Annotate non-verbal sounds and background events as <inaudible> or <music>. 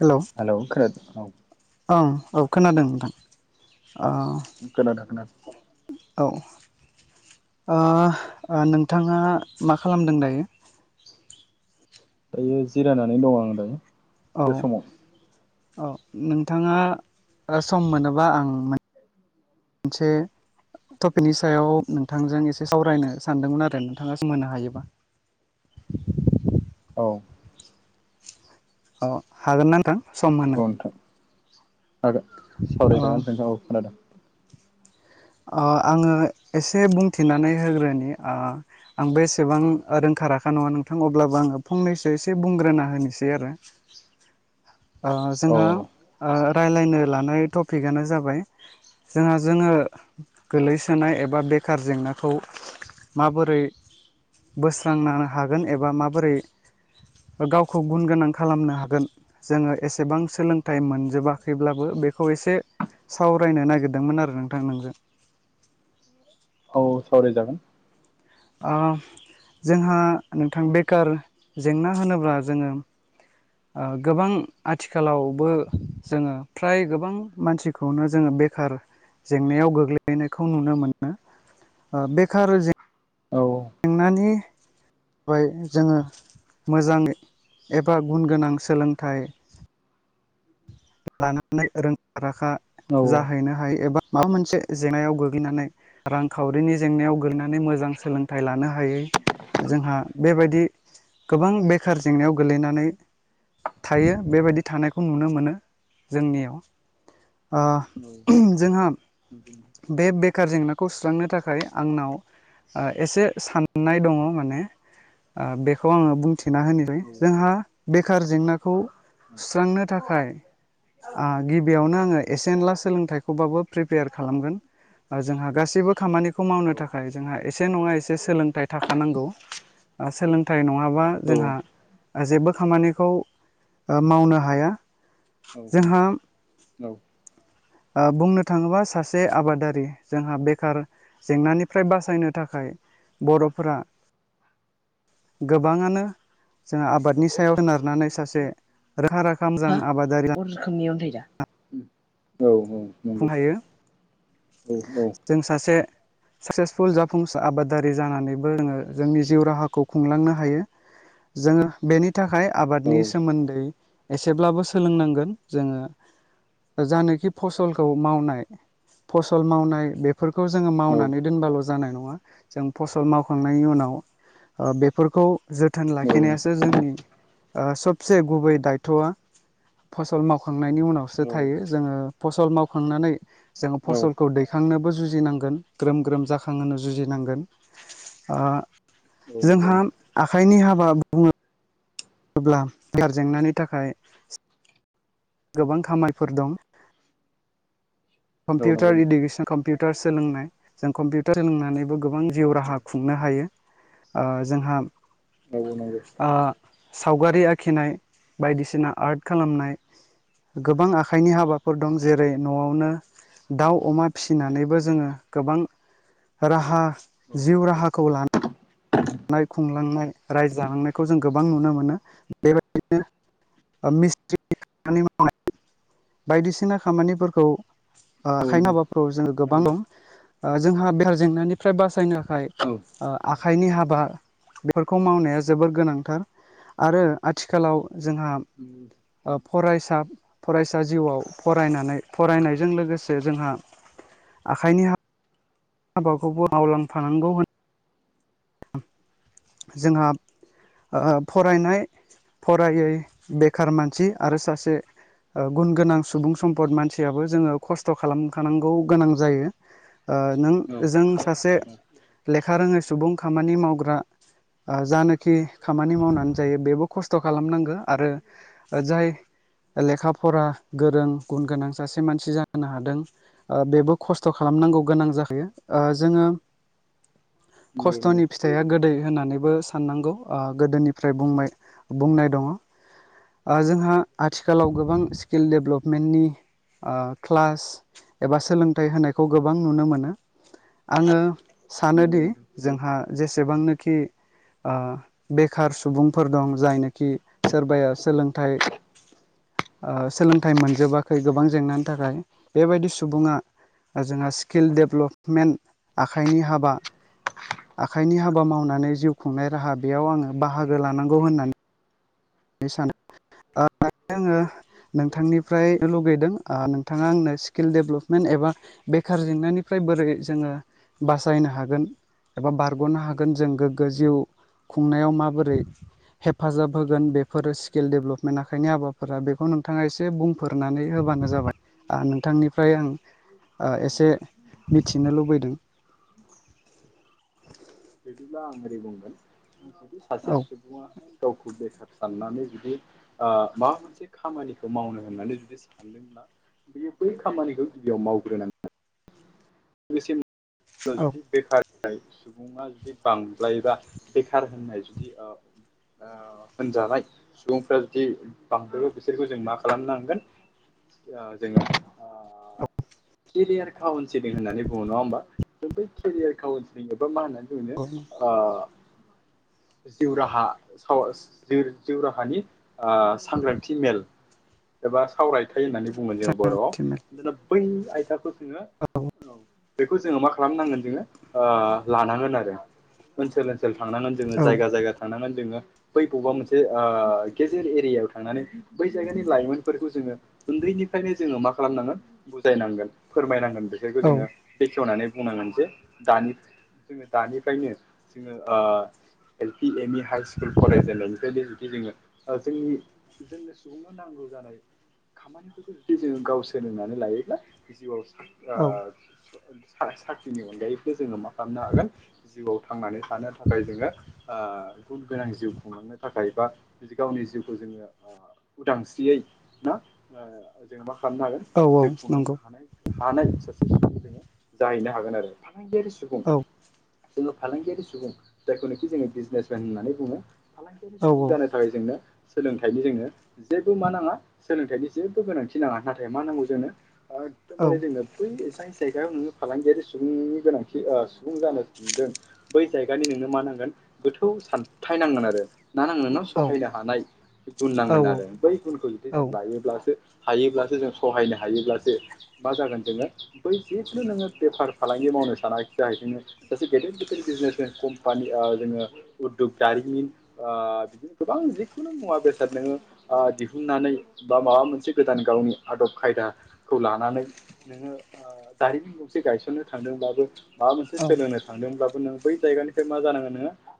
Hello hello खोनादों ओं औ खोनादों नोंथां औ खोनादों खोना औ ओ ओ नोंथाङा मा खालामदों दायो दायो जिरायनानै दङ आं दायो औ बे समाव औ नोंथाङा ओ सम मोनोबा आं मोन मोनसे टपिकनि सायाव नोंथांजों एसे सावरायनो सानदोंमोन आरो नोंथाङा सम होनो हायोबा? औ औ हागोन ना नोंथां सम औ होनो नोंथां हागोन अ सावरायजागोनबाथन नोंथां औ खोनादों आ आङो एसे बुंथिनानै होग्रोनि आ आंबो एसेबां रोंखा राखा नङा नोंथां अब्लाबो आङो फंनैसो एसे बुंग्रोना होनोसै आरो आ औ जोंहा ओ रायलायनो लानाय टपिकआनो जाबाय जोंहा जोङो गोलैसोनाय एबा बेखार जेंनाखौ माबोरै बोस्रांनो हागोन एबा माबोरै गावखौ गुन गोनां खालामनो हागोन जोङो एसेबां सोलोंथाइ मोनजोबाखैब्लाबो बेखौ एसे सावरायनो नागिरदोंमोन आरो नोंथां नोंजों औ सावराय जागोन आ जोंहा नोंथां बेखार जेंना होनोब्ला जोङो ओ गोबां आथिखालावबो जोङो फ्राय गोबां मानसिखौनो जोङो बेखार जेंनायाव गोग्लैनायखौ नुनो मोनो ओ बेखार जें औ नानि जाय जोङो मोजां एबा गुन गोनां सोलोंथाइ लानानै रोंखा राखा औ जाहैनो हायो एबा माबा मोनसे जेंनायाव गोग्लैनानै रांखावरिनि जेंनायाव गोग्लैनानै मोजां सोलोंथाइ लानो हायै जोंहा बेबायदि गोबां बेखार जेंनायाव गोलैनानै थायो बेबायदि थानायखौ नुनो मोनो जोंनियाव आ जोंहा बे बेखार जेंनाखौ सुस्रांनो थाखाय आंनाव आ एसे साननाय दङ माने आ बेखौ आङो बुंथिना होनोबाय जोंहा बेखार जेंनाखौ सुस्रांनो थाखाय आ गिबियावनो आङो एसे एनला सोलोंथाइखौबाबो प्रेपेयार खालामगोन जोंहा गासैबो खामानिखौ मावनो थाखाय जोंहा एसे नङा एसे सोलोंथाइ थाखानांगौ आ सोलोंथाइ नङाबा जोंहा जेबो खामानिखौ आ मावनो हाया औ औ जोंहा औ आ बुंनो थाङोबा सासे आबादारि जोंहा बेखार जेंनानिफ्राय बासायनो थाखाय बर'फोरा गोबाङानो जों आबाद नि सायाव सोनारनानै सासे रोंखा राखा मोजां आबादारि रोखोमनिथ दा औ औ नंगौ जाफुंनो हायो औ औ जों सासे साक्सेसफुल जाफुंसार आबादारि जानानैबो जोङो जोंनि जिउ राहाखौ खुंलांनो हायो जोङो बेनि थाखाय औ आबादनि सोमोन्दै एसेब्लाबो सोलोंनांगोन, जोङो जानाखि पस्ट <unintelligible> मावनाय फसल मावनाय बेफोरखौ जोङो औ मावनानै दोनबाल' जानाय नङा जों फसल मावखांनायनि उनाव ओ बेफोरखौ जोथोन नंगौ औ लाखिनायासो जोंनि ओ सबसे गुबै दायथ'आ फसल मावखांनायनि उनावसो थायो जोङो फसल मावखांनानै जोङो फसलखौ दैखांनोबो जुजिनांगोन ग्रोम ग्रोम जाखांहोनो जुजिनांगोन। आ नंगौ औ नंगौ जोंहा आखाइनि हाबा बुङो ब्ला बेगार जेंनानि थाखाय गोबां खामानिफोर दं। औ औ नंगौ औ कम्पिउटार इडुगेसन कम्पिउटार सोलोंनाय जों कम्पिउटार सोलोंनानैबो गोबां जिउ राहा खुंनो हायो। ओ जोंहा नंगौ - नंगौ। आ सावगारि आखिनाय बायदिसिना आर्ट खालामनाय गोबां आखाइनि हाबाफोर दं जेरै न'आवनो दाउ, अमा फिसिनानैबो जोङो गोबां राहा जिउ राहाखौ ला -नाय खुंलांनाय रायजो जालांनायखौ जों गोबां नुनो मोनो। बेबायदिनो मिस्ट्रि खामानि मावनाय बायदिसिना खामानिफोरखौ ओ औ आखाइनो नंगौ हाबाफ्राव जोङो गोबां दं। जोंहा बेखार जेंनानिफ्राय बासायनो <unintelligible> आखाइनि हा -बा बेफोरखौ मावनाया जोबोर गोनांथार आरो आथिखालाव जोंहा <unintelligible> ओ फरायसा फरायसा जिउआव फरायनानै फरायनायजों लोगोसे जोंहा आखाइनि हाबाखौबो मावलांफानांगौ <unintelligible> जोंहा ओ फरायनाय फरायै बेखार मानसि आरो सासे गुन गोनां सुबुं सम्पद मानसियाबो जोङो खस्थ' खालामखानांगौ गोनां जायो। ओ नों जों सासे लेखा रोङै सुबुं खामानि मावग्रा ओ जानोखि खामानि मावनानै जायो बेबो खस्थ' खालामनांगो आरो ओ जाय लेखा फरा गोरों गुन गोनां सासे मानसि जानो हादों। बेबो खस्थ' खालामनांगौ गोनां जाखायो ओ जोङो नंगौ नंगौ खस्थ'नि फिथाइया गोदै होननानैबो साननांगौ ओ गोदोनिफ्राय बुंनाय -बुंनाय दङ। ओ जोंहा आथिखालाव गोबां स्किल दडेभ्लपमेन्टनि ओ क्लास एबा सोलोंथाइ होनायखौ गोबां नुनो मोनो। आङो सानोदि नोंथां जोंहा जेसेबांनोखि ओ बेखार सुबुंफोर दं जायनाखि सोरबाया सोलोंथाइ ओ सोलोंथाइ मोनजोबाखै गोबां जेंनानि थाखाय बेबायदि सुबुङा जोंहा स्किल डेभेलपमेन्ट आखाइनि हाबा आखाइनि हाबा मावनानै जिउ खुंनाय राहा बेयाव आङो बाहागो लानांगौ होननानै सानो औ आङो नंगौ नंगौ नोंथां नोंथांनिफ्राय लुगैदों ओ नोंथाङा आंनो स्किल डेभेलपमेन्ट एबा बेखार जेंनानिफ्राय बोरै जोङो बासायनो हागोन एबा बारग'नो हागोन जों <unintelligible> <unintelligible> जिउ खुंनायाव माबोरै हेफाजाब होगोन बे <unintelligible> स्किल दडेभलपमेन्ट आखाइनि हाबाफोरा बेखौ नोंथाङा एसे बुंफोरनानै होबानो जाबाय। ओ नोंथांनिफ्राय आं ओ एसे औ दे मिथिनो लुबैदों। बिदिब्ला आं ओरै बुंगोन जुदि औ सासे <unintelligible> सुबुङाहाय गावखौ बेखार साननानै जुदि ओ माबा मोनसे खामानिखौ मावनो होननानै जुदि सानदों बेयो बै खामानिखौ गिबियाव मावग्रोनांगौ। लोगोसे औ जुदि बेखार सुबुङा जुदि बांद्रायोबा बेखार होननाय जुदि ओ ओ होनजानाय सुबुंफ्रा जुदि बांद्रायबा बिसोरखौ जों मा खालामनांगोन जोङो ओ औ केरियार काउन्सिलिं होननानै बुङो <unintelligible> बा मोनसे केरियार काउन्सिलिं एबा मा होनना बुंङो औ औ ओ जिउ राहा साव-जि- जिउ राहानि ओ सांग्रांथि मेल एबा सावराय आथाइ होननानै बुगोन जोङो बर'आव दोना बै आयथाखौ जोङो औ बेखौ जोङो मा खालामनांगोन जोङो ओ लानांगोन आरो। ओनसोल ओनसोल थांनांगोन जोङो जायगा जायगा थांनांगोन जोङो। बै बबेबा मोनसे ओ गेजेर एरियायाव थांनानै बै जायगानि लाइमोनफोरखौ जोङो उन्दैनिफ्रायनो जोङो मा खालामनांगोन बुजायनांगोन फोरमायनांगोन बेसोरखौ औ जोङो बेखेवनानै बुंनांगोन जे दानि जोङो दानिफ्रायनो जोङो O L P M E high school फरायजेननायनिफ्रायनो जुदि जोङो जोंनि जोंनि सुबुं नांगौ जानाय खामानिफोरखौ जुदि जों गाव सोलोंनानै लायोब्ला जिउआव स औ ओ साख्रिनि अनगायैखौ जोङो मा खालामनो हागोन जिउआव थांनानै थानो थाखाय जोङो ओ गुन गोनां जिउ खुंलांनो थाखाय बा बि गावनि जिउखौ जोङो ओ उदांस्रियै ना जोङो मा खालामनो हागोन औ औ जिउ खुंलांनो नंगौ हानाय हानाय सासे सुबुं जोङो जाहैनो हागोन आरो। फालांगियारि सुबुं औ जोङो फालांगियारि सुबुं जायखौनाखि जोङो बिजनेसमेन होननानै बुङो। फालांगियारि औ सुबुं औ जानो थाखाय जोंनो सोलोंथाइनि जोंनो जेबो मा नाङा सोलोंथाइनि जेबो गोनांथि नाङा नाथाय मा नांगौ जोंनो औ एखदेबारे जोंनो बै जाय जायगायाव नोङो फालांगियारि सुबुंनि गोनांथि सुबुं जानो सानदों बै जायगानि नोंनो मा नांगोन गोथौ सानथाय नांगोन आरो ना नांगौ नोंनाव औ सहायनो हानाय गुन औ नांगोन आरो। बै गुनखौ जुदि जों औ लायोब्लासो हायोब्लासो जों सहायनो हायोब्लासो मा जागोन जोङो बै जिखुनु नोङो बेफार फालांगि मावनो सानाखि जाहैदोंङो सासे गेदेर गेदेर बिजनेसमेन कम्पानि जोङो उददग दारिमिन ओ बिदिनो गोबां जिखुनु मुवा बेसाद नोङो ओ दिहुननानै बा माबा मोनसे गोदान गावनि आदब खायदाखौ लानानै नोङो ओ दारिमिन गंसे गायसननो थांदोंब्लाबो माबा मोनसे औ औ सोलोंनो थांदोंब्लाबो नों बै जायगानिफ्राय मा जानांगोन नोङो